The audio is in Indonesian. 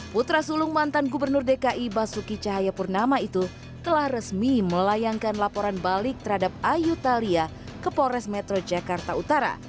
putra sulung mantan gubernur dki basuki cahayapurnama itu telah resmi melayangkan laporan balik terhadap ayu thalia ke pores metro jakarta utara